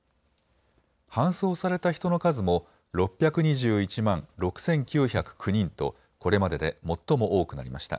搬送された人の数も６２１万６９０９人とこれまでで最も多くなりました。